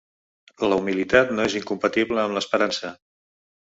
La humilitat no és incompatible amb l’esperança.